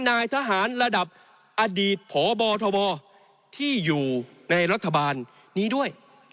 นายทหารระดับอดีตพบทบที่อยู่ในรัฐบาลนี้ด้วย